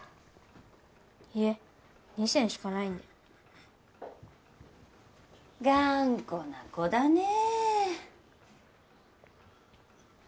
いえ２銭しかないんで頑固な子だねえ